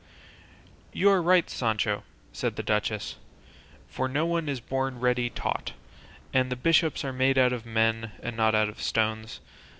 "You are right, Sancho," said the duchess, "for no one is born ready taught, and the bishops are made out of men and not out of stones.